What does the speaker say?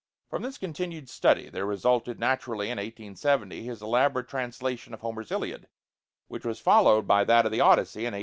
From this continued study there resulted naturally in 1870 his elaborate translation of Homer's Iliad, which was followed by that of the Odyssey in 1871.